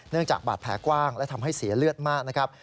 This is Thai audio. จากบาดแผลกว้างและทำให้เสียเลือดมากนะครับ